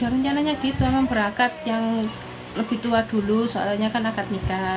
rencananya gitu berakat yang lebih tua dulu soalnya akan nikah